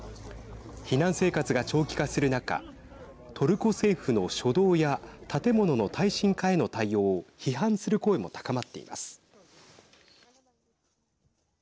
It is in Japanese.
避難生活が長期化する中トルコ政府の初動や建物の耐震化への対応を批判する声も高まっています。